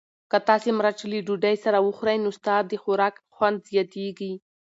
که تاسي مرچ له ډوډۍ سره وخورئ نو ستاسو د خوراک خوند زیاتیږي.